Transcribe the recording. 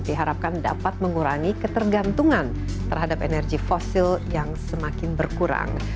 diharapkan dapat mengurangi ketergantungan terhadap energi fosil yang semakin berkurang